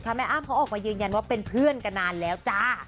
เขาออกมายืนยันว่าเป็นเพื่อนก็นานแล้วจ้ะ